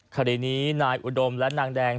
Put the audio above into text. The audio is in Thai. คดีนี้นายอุดมและนางแดง